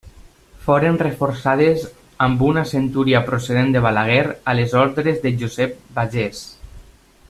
Foren reforçades amb una centúria procedent de Balaguer a les ordres de Josep Pagés.